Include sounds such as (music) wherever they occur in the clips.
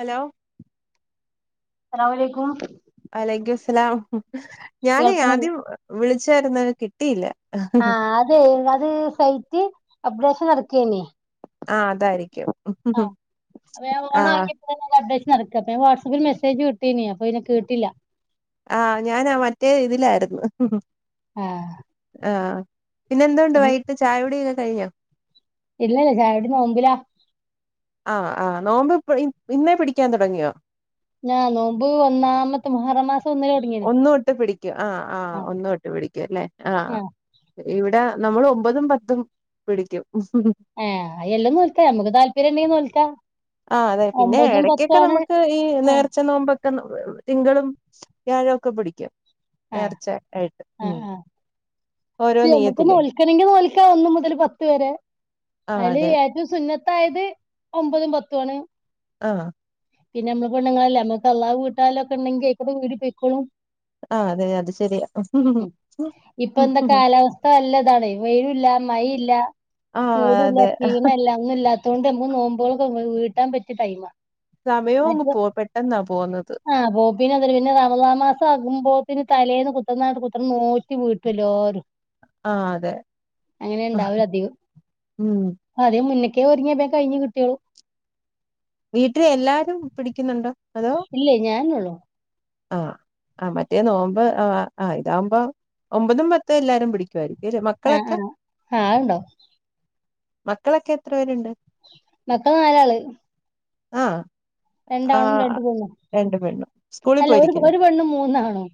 Hello അസ്സലാമുഅലയ്കും അലയ്ക്കുമുസ്സലാം ഞാന് കേൾക്കണില്ല ആദ്യം വിളിച്ചായ്രുന്നു കിട്ടിയില്ല ആ അത് വത് സൈറ്റ് അപ്ടേശൻ ന്നട്ക്കേനി ആ അതായിരിക്കും അഹ് അപ്പ ഞാ ആ ഓണാക്കിപ്പോ (unintelligible) ന്നട്ക്കട്ടെ വാട്സപ്പിൽ മെസേജ് വിട്ടീനി അപ്പ പിന്നെ കേട്ടില്ല അഹ് ഞാനാ മറ്റേ ഇതിലായിരുന്നു ആഹ് ആഹ് പിന്നെ എന്തുണ്ട് വൈകിട്ട് ചായകുടി ഒക്കെ കഴിഞ്ഞോ? ഇല്ലല്ല ചായുടി ന്നോമ്പിലാ ആഹ് ആഹ് ന്നോമ്പ് പ് ഇ ഇന്നേ പിടിക്കാൻ തൊടങ്ങിഓ ഞാ ന്നോബ് ഒന്നാമത്തെ മുഹറമാസ് ഒന്നു ഒട്ട് പിടിക്കും അഹ് അഹ് ആ ഒന്നുഒട്ട് പിടിക്കും അല്ലെ ആ ഇവിടെ ന്നമ്മള് ഒമ്പതും പത്തും പിടിക്കും ഏഹ് അയെല്ലൊം ന്നോൽക്ക ഞമ്മക്ക് താല്പര്യണ്ടെങ്കി നോൽക്ക. ആഹ് അതെ പിന്നെ എടക്യക്കെ നമുക്ക് ഈ ആ നേർച്ച ന്നോമ്പൊക് ക്കന്ന് (unintelligible) തിങ്കളും വ്യാഴൊക്കെ പിടിക്യാ. ആ നേർച്ച ആയിട്ട് ഉം ഓരോ ത് ഞമ്മക്ക് നീയത്തില്ലേ നോൽക്കണങ്കി നോൽക്ക ഒന്ന് മുതൽ പത്ത് വരെ. ആഹ് അയ്ല് അതെ ഏറ്റവും സുന്ന ത്തായത് ഒമ്പതും പത്തു ആണ് അഹ് പിന്നെ അമ്മള് പെണ്ണ്ങ്ങളല്ലേ അമ്മക് ഖളാ വീട്ടാലൊക്കെണ്ടെങ്കി അയ്കട് വീടി പൊയ്കോളും. ആഹ് അതേ, അത് ശെരിയാ ലാവസ്ഥ അല്ലതാണെ വെയിലുല്ല മഴില്ല. ആഹ് ചൂടുല്ല അതെ ക്ഷീണല്ല ഒന്നും ഇല്ലാത്തൊണ്ട് ഞമക് നോമ്പോളൊക്കെ വീട്ടാൻ പറ്റ്യ ടൈംമാ. സമയോം അങ്ങ് പോം. പെട്ടന്നാ പോവ്ന്നത് പിന്നെ എന്തറിയോ പിന്നെ റമളാമാസം ആകുമ്പോത്തിന് തലേന്ന് കുത്തർന്നാണ്ട് കുത്തർന്ന് ന്നോറ്റ് വീട്ടും എല്ലാരും. ആഹ് അതെ അങ്ങനെണ്ടാവല് അധികും. ഉം ആദ്യ മുന്ന് ക്കേ ഒരുങ്ങിയ ബേ കഴിഞ് കിട്ട്യോളും. വീട്ടിൽ എല്ലാരും പിടിക്കുന്നുണ്ടോ? അതോ ഇല്ലേ ഞാനന്നെ ഉള്ളു. ആഹ് ആഹ് മറ്റേ നോമ്പ് ആഹ് ഇതാവുമ്പോ ഒമ്പതും പത്തും എല്ലാരും പിടിക്കുവായിരിക്കും. അല്ലേ ആഹ് മക്കളൊക്കെ ആഹ് ആഹ് ഇണ്ടാവും. മക്കളൊക്കെ എത്ര പേര്ണ്ട്? മക്കള് നാലാള്. ആഹ് രണ്ടാണും ആഹ് രണ്ട് പെണ്ണും രണ്ട് പെണ്ണും. സ്കൂളിൽ അല്ല ഒരു പോയിരിക്കുന്നു ഒരു പെണ്ണും മൂന്നാണും.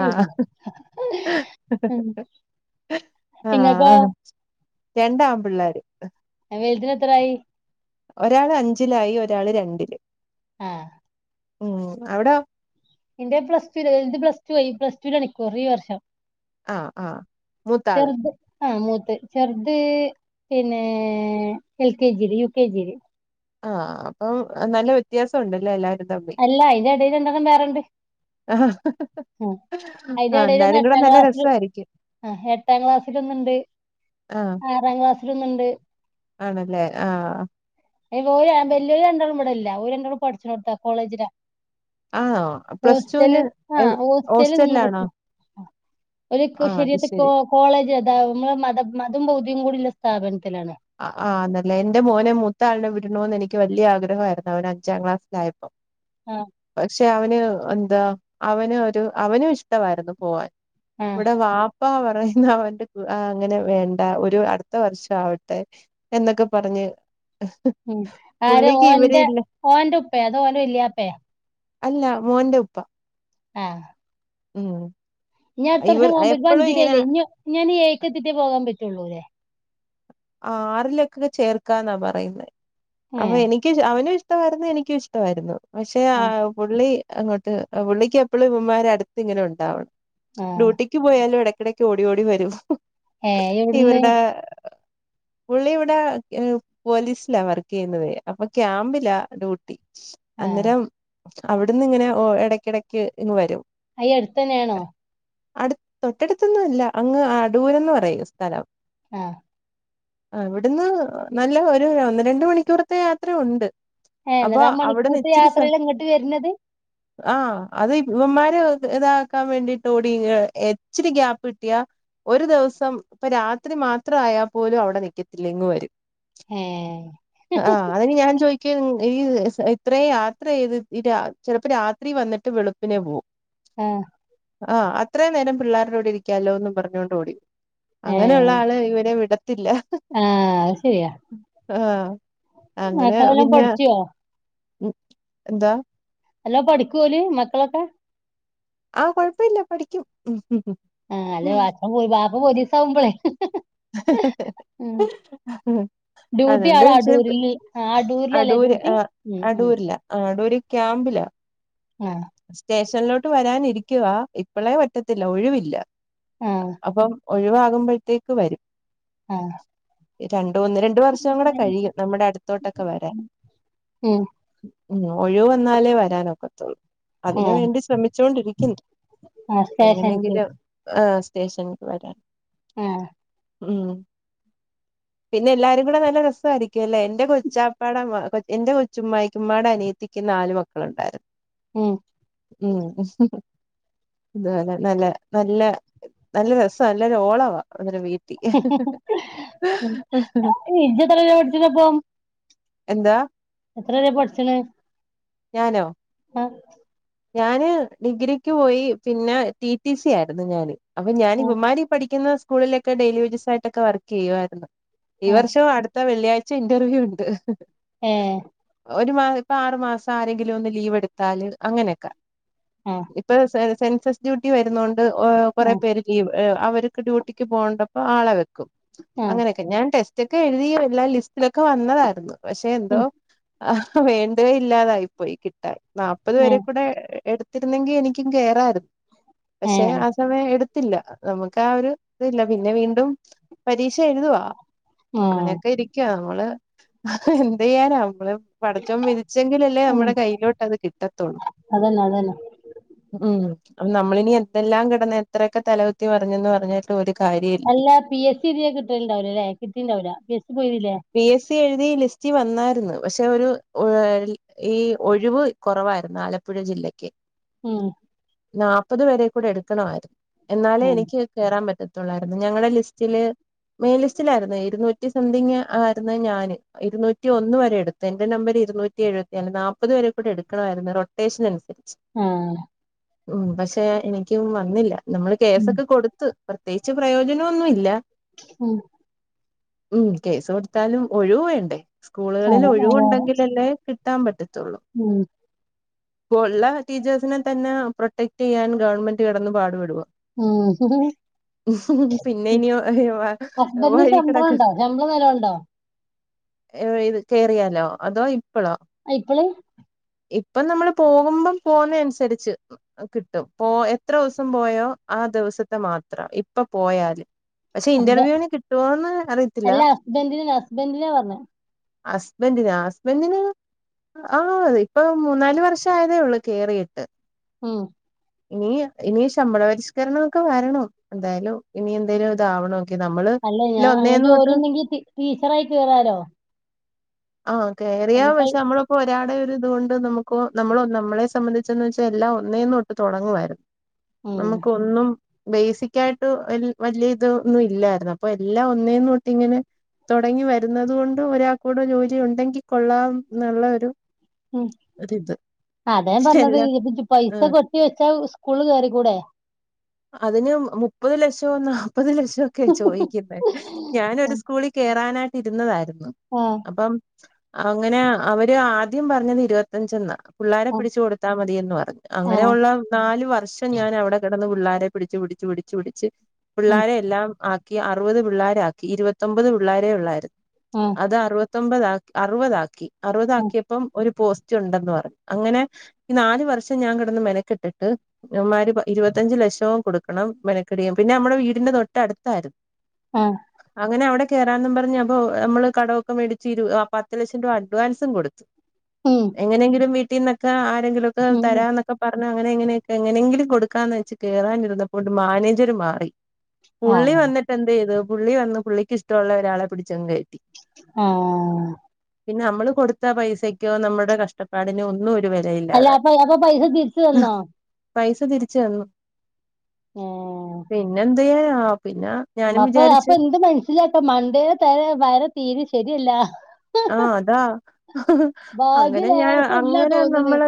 ആഹ് ഇങ്ങക്കോ ആഹ് രണ്ടാം പിള്ളേര്. വെൽതിന് എത്രായി? ഒരാള് അഞ്ചിലായി, ഒരാള് രണ്ട്ല് ആഹ് ഓ അവിടെ എന്റെ പ്ലസ്ടു പ്ലസ് ടു ആയി പ്ലസ്ടു ലാണ് ഈ വർഷം ആഹ് ആഹ് മൂത്താള് ചെറുത് ആഹ് മൂത്തഹ് ചെർത് പിന്നെ എൽ കെജില്, യുകെജില് ആഹ് അപ്പം നല്ല വ്യത്യാസം ഉണ്ട്ലെ എല്ലാരും തമ്മി അല്ല ഇജ് അന്റെല്ണ്ടാകുന്ന വേറെണ്ട് ആഹ് ഉം അയിന്റെ എടേല് എന്നാലും ഒന്ന് ഇങ്ങളെ എട്ടാം നല്ല ക്ലാസ്സില് രസായിരിക്കും ആഹ് എട്ടാം ക്ലാസ്സിലൊന്ന്ണ്ട്, ആഹ് ആറാം ക്ലാസ്സിലൊന്ന്ണ്ട് ആണല്ലേ ആഹ് ആഹ് വെലോര് വല്ല്യോല് രണ്ടാളും ഇവടെ ഇല്ല ഓര് രണ്ടാളും പഠ്ച്ച്ണോട്ത്താ കോളേജിലാ ആണോ പ്ലസ് ടുവിന് ഹോസ്റ്റല് എവ് ആഹ് ഹോസ്റ്റല് നിന്ന് ഹോസ്റ്റലിലാണോ പട്ച്ചാ ആഹ് ഒര് ആഹ് അത് ക്ശെരിതപ്പോ ശരി കോളേജ് അതാ നമ്മളെ മത മതം ബൗതികം കൂടി ള്ള സ്ഥാപനം ആ ആ്ന്നല്ല എന്റെ മോനെ മൂത്താളിനെ വിടണന്ന് എനിക്ക് വലിയ ആഗ്രഹമായിരുന്നു അവന് അഞ്ചാം ക്ലാസ്സിലായ ആഹ് പക്ഷെ അവന് എന്താ അവന ഒരു അവനും ഇഷ്ടമായിരുന്നു പോവാൻ ആഹ് ഇവിടെ അപ്പ പറയുന്ന അവന്റെ അങ്ങനെ വേണ്ട ഒരു അടുത്ത വർഷം ആവട്ടെ എന്നൊക്കെ പറഞ്ഞ് ഉ ആര് പുള്ളിക്ക് ഓന്റെ ഇവരില്ല ഓറെ ഉപ്പ അത് ഓലെ ഇല്ലപ്പയാ അല്ല മോന്റെ ഉപ്പ ആഹ ഉം ഇനി അടുത്ത ഇവർ വർഷം പോകൻ പറ്റ എപ്പഴും ഇങ്ങനെ അഞ്ചിലേല്ലേ ഇനി ഞാൻ ഏക്കത്തിറ്റേ പോകാൻ പറ്റുള്ളൂല്ലേ ആറിലൊക്കൊക്കെ ചേർക്കാ എന്നാ പറയുന്നത് അപ്പൊ ഏഹ് എനിക്ക് അവന ഇഷ്ടമായിരുന്നു എനിക്കും ഇഷ്ടമായിരുന്നു പക്ഷെ ആ ആഹ് പുള്ളി അങ്ങോട്ട് പള്ളിക്ക് എപ്പോഴും ഇമ്മ്മാർ അടുത്ത് ഇങ്ങനെ ഉണ്ടാവണം ആഹ് ഡ്യൂട്ടിക്ക് പോയാലും ഇട ഇടക്ക് ഓടി ഓടി വരും ഏ എവിടുന്ന് ഇവരുടെ പുള്ളി ഇവിടെ പോലീസിലാ വർക്ക് ചെയ്യുന്നത് അപ്പൊ ക്യാമ്പിലാ ഡ്യൂട്ടി ആഹ് അന്നേരം അവിടുന്ന് ഇങ്ങനെ ഇടക്കിടക്ക് ഇങ്ങ് വരും അയി അടുത്ത് തന്നെയാണോ അടു തൊട്ടടുത്തൊന്നും ഇല്ല അങ്ങ് അടൂരന്ന് പറയും സ്ഥലം ആഹ ഇവിടുന്ന് നല്ല ഒരു ഒന്ന് രണ്ട് മണിക്കൂറത്തെ യാത്ര ഉണ്ട് ഏര മണിക്കൂർ യാത്രയിൽ അങ്ങോട്ട് വരുന്നത് ആഹ അത് ഇവന്മാര് ഇതാക്കാൻ വേണ്ടിട്ട് ഓടി ഇച്ചിരി ഗ്യാപ്പ് കിട്ടിയാ ഒരു ദിവസം ഇപ്പ രാത്രി മാത്ര ആയാൽ പോലും അവിടെ നിൽക്കത്തില്ലെങ്കും വരും ഏഹ് അ ആ അതിന് ഞാൻ ചോയി ക്കും ഈ ഇസ് ഇത്രയും യാത്ര ചെയ്ത് രാ ചെലപ്പോ രാത്രി വന്നിട്ട് വെളുപ്പിനെ പോവും ആ ആ അത്രയും നേരം പിള്ളാരുടോടെ ഇരിക്കാല്ലോന്നും പറഞ്ഞോണ്ട് ഓടി ഏഹ് അങ്ങനെയുള്ള ആള് ഇവരെ വിട ത്തില്ല ആഹ് അത് ശരിയാ ആ മക്കളെല്ലാം പഠിച്ചുവോ ഉം എന്താ അല്ലാ പഠിക്കൂലേ മക്കളൊക്കെ ആ കൊഴപ്പയില്ല പഠിക്കും ഉം ഉം, ആ അല്ല വച്പ്പംപ്പോയി വാപ്പ പോലീസാവുമ്പൊളെ ഉം ഡ്യൂട്ടി അതോണ്ട് ആടെ ചേപ്പ് അടൂരില് അടൂരിലല്ലേ അടൂര് ഡ്യൂട്ടി ആ ഉം ഉം അടൂരില് ആ അടൂര് ക്യാമ്പിലാ ആഹ് സ്റ്റേഷ് നിലോട്ട് വരാനിരിക്കുവാ ഇപ്പൊളേ പറ്റത്തില്ല ഒഴിവില്ല ആഹ് അപ്പം ഒഴിവാകുമ്പഴ്ത്തേക്ക് വരും ആ രണ്ടു ഒന്ന് രണ്ട് വർഷോം കൂടെ കഴിയും നമ്മുടെ അടുത്തോട്ടൊക്കെ വരാൻ ഉം ഉം ഒഴിവ് വന്നാലേ വരാനൊക്കത്തുള്ളൂ അതിനു ആഹ് വേണ്ടി ശ്രമിച്ചോണ്ടിരിക്കുന്നു ആഹ് സ്റ്റേഷൻക്ക് എങ്ങനെങ്കിലും ആ സ്‌ റ്റേഷന്ക്ക് വരാൻ ആ ഉം പിന്നെ എല്ലാരും കൂടെ നല്ല രസായിരിക്കുവല്ലേ എന്റെ കൊച്ചാപ്പാട മ കൊ എന്റെ കൊച്ചുമ്മായിക്കുമ്മാട അനിയത്തിക്കു നാല് മക്കളുണ്ടായിര് ഉം മ് ന്ത്‌വാന നല്ല നല്ല നല്ല രസാ നല്ലൊരു ഓളവാ മ്മടെ വീ ഇജ്ജെത്ര വര പഠിച്ചതപ്പം എന്താ എത്രരെ പഠ്ച്ച്ണ് ഞാനോ? ആഹ് ഞാന് ഡിഗ്രിക്ക് പോയി. പിന്നെ ടി ടി സി ആയിരുന്നു ഞാന് അപ്പൊ ആ ഞാനിവമ്മാര് പഠി ക്കുന്ന സ്കൂളിലൊക്കെ ഡെയ്ൽ ജോസായിട്ടൊക്കെ വർക്കെയ്യുവായിരുന്നു ഈ ആ വർഷം അടുത്ത വെള്ളി ച്ച ഇന്റർവ്യൂ ഉണ്ട് ഹേ ഒരു മാ ഇപ്പൊ ആറ് മാസം ആരെങ്കിലും ഒന്ന് ലീവ് എടുത്താല് അങ്ങനെക്കെ ആ ഇപ്പ സ് സെൻസസ് ഡ്യൂട്ടി വരുന്നോണ്ട് ഓ ആ കുറേ പേര് ലീവ് (unintelligible) അവര്ക്ക് ഡ്യൂട്ടിക്ക് പോണ്ടപ്പ ആളെ വെക്കും ആ അങ്ങനെക്കെ ഞാൻ ടെസ് റ്റൊക്കെ എഴുതി എല്ലാ ലിസ്റ്റിലൊക്കെ വന്നതാരുന്നു പക്ഷെ എന്തോ ഉം അഹ് വേണ്ടുവേ ഇല്ലാതായി പോയി കിട്ടാൻ നാപ്പത് ഏ വേരെ കൂടെ എ എ എടുത്തിരുന്നെങ്കി എനിക്കും കേറാരുന്നു ഏ പക്ഷെ ആ സമയം എടു ത്തില്ല നമുക്ക് ആ ഒരു ഇതില്ല പിന്നെ വീണ്ടും പരീക്ഷ എഴുതുവാ ആ അങ്ങനെയൊക്കെ ഇരിക്കുവാ നമ്മള് എന്ത് ചെയ്യാനാ നമ്മള് പടച്ചോൻ വിധിച്ചെങ്കിലല്ലേ ഉം നമ്മടെ കയ്യിലോട്ട് അത് കിട്ടത്തുള്ളു അതന്നെ അതന്നെ ഉം നമ്മളിനി എന്തെല്ലാം കിടന്ന് എത്രയൊക്കെ തലകുത്തി മറിഞ്ഞെന്ന് പറഞ്ഞിട്ടും ഒര് അല്ല പി എസ് സി എഴുതിയാ കിട്ടല് ഉണ്ടാവില്ല അല്ലെ കിട്ടീണ്ടാവില്ല പി എസ് സി പോയി എഴുതീല്ലേ പി എസ് സി എഴുതി ലിസ്റ്റിൽ വന്നാരുന്ന് പക്ഷെ ഒരു ഒ ഈ ഒഴിവ് കൊറവാരുന്ന് ആലപ്പുഴ ജില്ലക്ക് ഉം നാപ്പത് പേരെ കൂടെ എടുക്കണവാരുന്ന് എന്നാലേ ഉം എനിക്ക് കേറാൻ പറ്റ തൊള്ളായ്രുന്നു ഞങ്ങലെ ലിസ്റ്റില് മെയിൻ ലിസ്റ്റിലായിരുന്നു ഇരുന്നൂറ്റി സംതിങ് ആയിരുന്നു ഞാന് ഇരുന്നൂറ്റി ഒന്ന് വരെ എടുത്ത് എന്റെ നമ്പര് ഇരുന്നൂറ്റി എഴുപത്തി നാല് നാപ്പത് വരെ കൂടി എടുക്കണമായിരുന്നു റോട്ടേഷനുണ്ട് ആഹ് ഉം പക്ഷെ എനിക്ക് വന്നില്ല നമ്മള് ഉം കേസൊക്കെ കൊടുത്ത് പ്രത്യേകിച്ച് പ്രയോജനൊന്നുല്ല ഉം ഉം കേസ് കൊടുത്താലും ഒഴിവ് വേണ്ടേ സ്കൂളുകളിൽ അതെ അതെ അതെ ഒഴിവുണ്ടെങ്കിൽലല്ലേ കിട് ത്താൻ പറ്റത്തുള്ളൂ ഉം ഇപ്പോ ള്ള ടീച്ചേഴ്സിനെ തന്നെ പ്രൊട്ടക്ട് യ്യാൻ ഗവൺമെന്റ് കെടന്നു പാടുപെട ഉം ഹു ഹും പിന്നെ ഇനി അഹ് ഹസ്ബന്റിന് വഴി ശമ്പളം കടക്ക് ഉണ്ടോ ശമ്പളം നല്ലോണ്ടോ എ ഇത് കേറിയാലോ അതോ ഇപ്പളോ അ ഇപ്പള് ഇപ്പം നമ്മള് പോകുമ്പം പോന്നെ അനുസരിച്ച് കിട്ടും പോ എത്ര സം പോയോ ആ ആ ദിവസത്തെ മാത്രം ഇപ്പ പോയാല് പക്ഷെ ഹസ്ബ ഇന്റർവ്യൂന് കിട്ടോന്ന് അറിയത്തില്ല അല്ല ഹസ്ബന്റിന് ഹസ്ബന്റിനെ പറഞ്ഞെ ഹസ്ബൻറിനോ ഹസ്ബൻറിന് ആ പോത് ഇപ്പൊ മൂന്നാല് വർഷ ആയതേ ഉള്ളൂ കേറിയിട്ട് ഉം ഇനിയ ഇനി ശമ്പള പരിഷ്കരണംക്കെ വരണം എന്തായാലും ഇനി എന്തേലും താവണോങ്കി അല്ല ഞാ അങ്ങനെ ജോലി ഉണ്ടെങ്കി ടീ ടീച്ചറായി കേറാലോ ആ കേറിയ ഒന്ന് പൈ പക്ഷെ നമ്മളിപ്പോ ഒരാട് ര്തുകൊണ്ട് നമുകോ നമ്മളോ നമ്മളെ സംബന്ധിച്ചെന്ന് വെച്ചാൽ എല്ലാം ഒന്നേനൊട്ട് തൊടങ്ങു ആയിരുന്നു ഉം നമുക്ക് ഒന്നും ബേസിക്ക് ആയിട്ട് വ വല്യ ഇതൊന്നും ഇല്ലായിരുന്നു അപ്പൊ എല്ലാം ഒന്നേനൊട്ട് ഇങ്ങനെ തുടങ്ങി വരുന്നത് കൊണ്ട് ഒരാൾ കൂടെ ജോലി ഉണ്ടെങ്കി കൊള്ളാം എന്നുള്ള ഒരു ഉം ഒരിത് അതാൻ എല്ലാ പറഞ്ഞത്ഇ പൈസ ആഹ് കെട്ടി വെച് ങ്ങ സ്കൂള് കേറി കൂടെ അതിന് മുപ്പത് ലക്ഷംന്ന മുപ്പത് ലക്ഷംക്കെയ ചോയ്ക്കുന്നെ ഞാനൊരു സ്കൂളിൽ കേറാനായിട്ട് ഇരുന്നതായിരുന്നു ആഹ് അപ്പം അങ്ങനെ അവര് ആദ്യം പറഞ്ഞത് ഇരുപത്തഞ്ചണ്ണാ പിള്ളാരെ ആഹ് പിടിച്ചു കൊടുത്താ മതിയന്ന് പറഞ്ഞു ആഹ് അങ്ങനെയുള്ള നാല് വർഷം ഞാൻ അവിടെ കിടന്ന് പിള്ളാ പിടിച് പിടിച്ച് പിടിച്ച് പിടിച്ച് ഉം പിള്ളോരെ എല്ലാം ആ കി അറുപത് പിള്ളോരാക്കി ഇരുപത്തൊമ്പത് പിള്ളേരെ ഉള്ളായ് രുന്നു ആഹ് അത് അറുപ ത്തൊമ്പതാ അറുപതാക്കി ഉം അറുപതാക്കിയപ്പം ഒരു പോസ് ണ്ടെന്ന് പറഞ്ഞു അങ്ങനെ ഈ നാല് വർഷം ഞാൻ കെടന്ന് മെനക്കെട്ടിട്ട് ഇവന്മാര് ഇരുപത്തഞ്ചു ലക്ഷം വും കൊടുക്കണം മെനക്കടിയും പിന്നെ നമ്മുടെ വീടിന്റെ തൊട്ടടുത്തായിരുന്നു ആ അങ്ങനെ അവിടെ കേറാന്നും പറഞ്ഞ് അപ്പോ മ്മള് കടവൊക്കെ വേടിച്ച് ഒരു ആ പത്ത് ലക്ഷം രൂപ അഡ്വാൻസും കൊടുത്തു ഉം എങ്ങനെങ്കിലും വീട്ടിന്നൊക്കെ ആരെങ്കിലുക്കെ ഉം തരാന്നൊക്കെ പർ ന്നാ അങ്ങനെ എങ്ങനെ എങ്ങനെങ്കിലും കൊടുക്കാന്ന് വെച്ച് കേറാനിരുന്നപ്പോണ്ട് മാനേജര് മാറി. പുള്ളി ആഹ് വന്നിട്ട് എന്ത്യ്തു പുള്ളി വന്ന് പുള്ളിക്ക് ഇഷ്ടള്ള ഒരാളെ പിടിച്ചങ് കയറ്റി. ആ പിന്നെ നമ്മള് കൊടുത്ത പൈസക്കോ നമ്മുടെ കഷ്ടപ്പാടിനോ ഒന്നും ഒരു അല്ല വിലയില്ലാതായി അപ്പൊ അപ്പൊ പൈസ തിരിച്ചു തന്നോ? പൈസ തിരിച്ചു തന്നു. പിന്നെന്ത്യായ്യാൻ രാ മപ്പൊ അപ്പൊ എന്ത് മനസ്സിലാക്ക മണ്ടേലെ തല വര തീരെ ശരിയല്ല. ആ അതാ ഭാഗ്യ അങ്ങനെ ഞാൻ ലേശം ഇല്ലാ അങ്ങനെ തോന്ന്ണ് നമ്മള്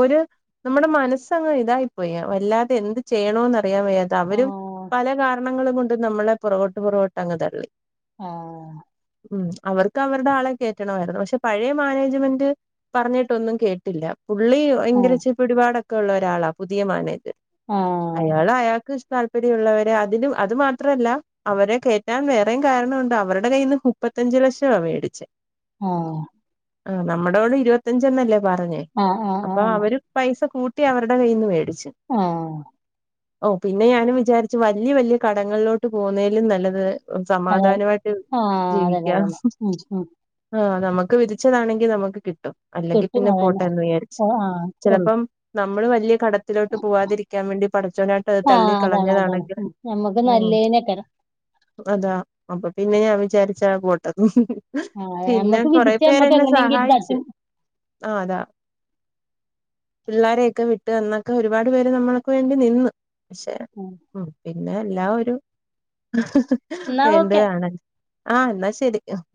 ഒരു നമ്മുടെ മനസ്സങ്ങ് ഇതായിപ്പോയി വല്ലാതെ എന്ത് ചെയ്യണോന്ന് അറിയാൻ വയ്യാത്തെ അവരും ആഹ് പല കാരണങ്ങളും കൊണ്ട് നമ്മളെ പുറകോട്ട് പുറകോട്ട് അങ്ങ് തള്ളി ആഹ് ഉം അവർ ക്ക് അവരുടെ ആളെ കേറ്റണമായിരുന്നു പക്ഷെ പഴയ മാനേജ്മെന്റ് പറഞ്ഞിട്ടൊന്നും കേട്ടില്ല പുള്ളി ഭയങ്കര ഇച്ചിരി പിടിപാടൊക്കെ ഉള്ള ഒരാളാ പുതിയ മാനേജർ ആഹ് അയാൾ അയാൾക്ക് താല്പര്യമുള്ളവരെ അതിനും അത് മാത്രല്ല അവരെ കയറ്റാൻ വേറെയും കാരണം ഉണ്ട് അവരുടെ കയ്യിൽ നിന്ന് മുപ്പ ത്തഞ്ച് ലക്ഷവാ മേടിച്ചേ ആഹ് ആ നമ്മളോട് ഇരുപത്തഞ്ചന്നല്ലേ പറഞ്ഞേ ആഹ് ആഹ് അപ്പൊ ആഹ് അവര് പൈസ കൂട്ടി അവരുടെ കയ്യീന്ന് മേടിച്ചു ആഹ് ഓഹ് പിന്നെ ഞാനും വിചാരിച്ചു വല്യ വല്യ കടങ്ങളിലോട്ട് പോന്നലും നല്ലത് ആഹ് സമാധാനയിട്ട് അതെ ആഹ് അതന്നെ ജീവിക്കാം അതന്നെ ഉം ഉം ആഹ് നമുക്ക് വിധിച്ചതാണെങ്കിൽ നമുക്ക് കിട്ടും അല്ലെങ്കിൽ കിട്ടും പിന്നെ അതന്നെ പോട്ടെന്ന് വിചാരിച്ചു ഓ ആ അത്രേ ഉള്ളൂ ചിലപ്പോം നമ്മള് വലിയ കടത്തിലോട്ട് പോവാതിരിക്കാൻ വേണ്ടി പടച്ചോനായിട്ട് അത് തള്ളിക്കളഞ്ഞതാണെങ്കിൽ മുക്ക് നല്ലേനക്കര അതാ അപ്പൊ പിന്നെ ഞാൻ വിചാരിച്ച ആ പൊട്ടന്ന് ആ പിന്നെ ഞമ്മക്ക് കൊറെ വിധിച്ച പേര ഞമ്മക്ക് എന്നെ എങ്ങനെയെങ്കിലും ഇത് തട്ടി സഹായിച്ച് ആഹ് അതാ പിള്ളോരെയൊക്കെ വിട്ട് എന്നൊക്കെ ഒരുപാട് പേര് നമ്മൾക്ക് വേണ്ടി നിന്ന് പക്ഷെ ഉം പിന്നെ എല്ലാ ഒരു എന്നാ വേണ്ടു ഓക്കെ കാണൻ ആഹ് എന്നാ ശരി ആഹ്